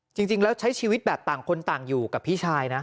จริงแล้วใช้ชีวิตแบบต่างคนต่างอยู่กับพี่ชายนะ